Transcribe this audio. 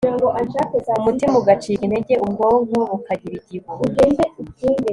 umutima ugacika intege ubwonko bukagira igihu